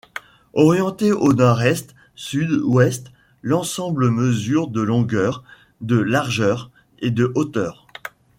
Orienté au nord-est — sud-ouest, l'ensemble mesure de longueur, de largeur et de hauteur.